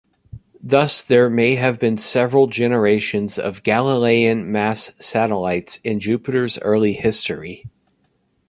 Thus there may have been several generations of Galilean-mass satellites in Jupiter's early history.